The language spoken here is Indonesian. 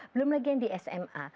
belum lagi yang di sma